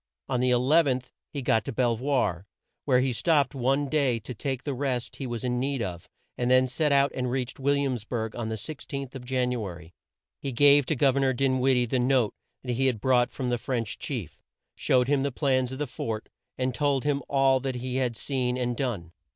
On the 11th he got to Bel voir, where he stopped one day to take the rest he was in need of, and then set out and reached Will iams burg on the 16th of Jan u a ry. He gave to Gov er nor Din wid die the note he had brought from the French chief, showed him the plans of the fort, and told him all that he had seen and done.